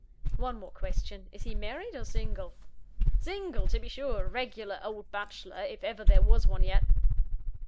"One more question: is he married or single?" "Single, to be sure a regular old bachelor, if ever there was one yet."